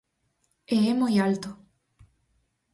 E é moi alto.